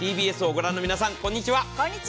ＴＢＳを御覧の皆さん、こんにちは。